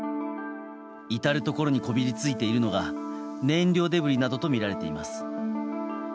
至るところにこびりついているのが燃料デブリなどとみられています。